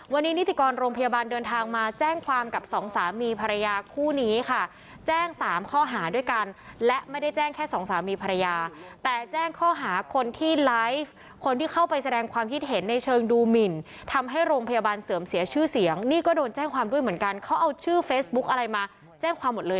วันนี้นิติกรโรงพยาบาลเดินทางมาแจ้งความกับสองสามีภรรยาคู่นี้ค่ะแจ้งสามข้อหาด้วยกันและไม่ได้แจ้งแค่สองสามีภรรยาแต่แจ้งข้อหาคนที่ไลฟ์คนที่เข้าไปแสดงความคิดเห็นในเชิงดูหมินทำให้โรงพยาบาลเสื่อมเสียชื่อเสียงนี่ก็โดนแจ้งความด้วยเหมือนกันเขาเอาชื่อเฟซบุ๊กอะไรมาแจ้งความหมดเลย